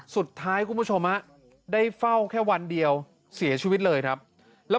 คุณผู้ชมได้เฝ้าแค่วันเดียวเสียชีวิตเลยครับแล้ว